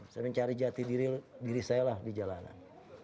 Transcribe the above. saya mencari jati diri saya lah di jalanan